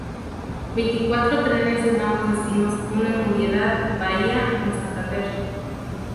Veinticuatro trenes en ambos destinos unen Muriedad-Bahía con Santander.